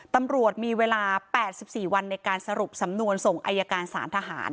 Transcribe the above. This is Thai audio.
ตำรวจมีเวลา๘๔วันในการสรุปสำนวนส่งอายการสารทหาร